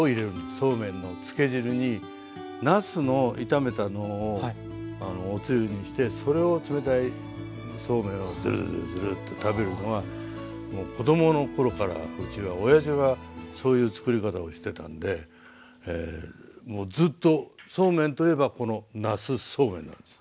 そうめんのつけ汁になすの炒めたのをおつゆにしてそれを冷たいそうめんをズルズルズルッと食べるのはもう子供の頃からうちはおやじがそういうつくり方をしてたんでもうずっとそうめんといえばこのなすそうめんなんです。